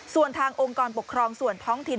ส่วนทางองค์กรปกครองส่วนท้องถิ่น